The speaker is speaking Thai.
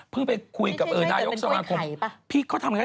เพิ่งไปคุยกับนายกสมัครพี่เขาทำอะไร